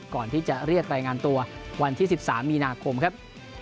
ก่อนที่จะเรียกรายงานตัววันที่๑๓มีนาคมครับ